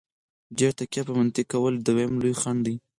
ډېره تکیه په منطق کول دویم لوی خنډ دی.